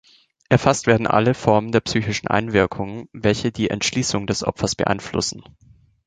Erfasst werden alle Formen der psychischen Einwirkung, welche die Entschließung des Opfers beeinflussen.